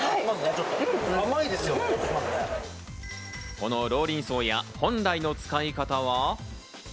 このローリンソーヤ、本来の使い方は？